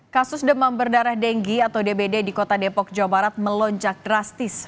kasus demam berdarah denggi atau dbd di kota depok jawa barat melonjak drastis